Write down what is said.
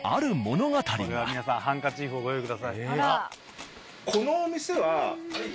これは皆さんハンカチーフをご用意ください。